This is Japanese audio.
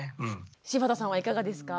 柴田さんはいかがですか？